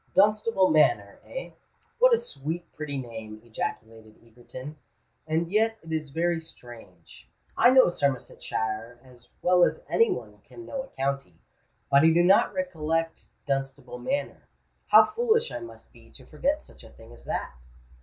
"Dunstable Manor—eh? What a sweet pretty name!" ejaculated Egerton. "And yet it is very strange—I know Somersetshire as well as any one can know a county; but I do not recollect Dunstable Manor. How foolish I must be to forget such a thing as that."